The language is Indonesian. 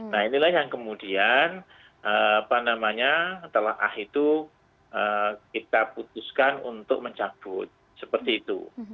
nah inilah yang kemudian apa namanya telah ah itu kita putuskan untuk mencabut seperti itu